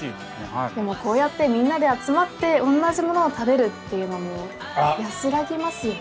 でもこうやってみんなで集まって同じものを食べるっていうのも安らぎますよね。